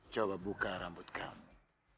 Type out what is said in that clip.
coba buka rambut kamu